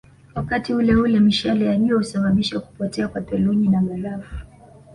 Wakati uleule mishale ya jua husababisha kupotea kwa theluji na barafu